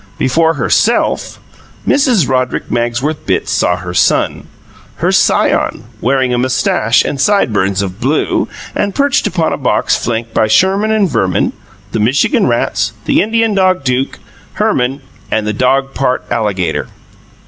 Before HERSELF, Mrs. Roderick Magsworth Bitts saw her son her scion wearing a moustache and sideburns of blue, and perched upon a box flanked by Sherman and Verman, the Michigan rats, the Indian dog Duke, Herman, and the dog part alligator.